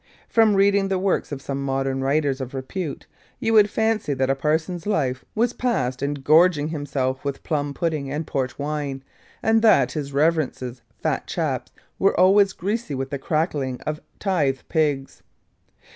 From reading the works of some modern writers of repute, you would fancy that a parson's life was passed in gorging himself with plum pudding and port wine; and that his Reverence's fat chaps were always greasy with the crackling of tithe pigs.